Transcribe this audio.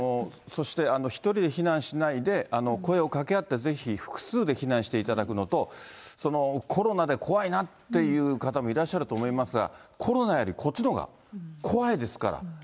そして１人で避難しないで、声をかけ合って、ぜひ複数で避難していただくのと、コロナで怖いなっていう方もいらっしゃると思いますが、コロナよりこっちのほうが怖いですから。